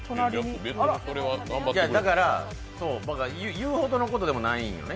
だから言うほどのことでもないんよね。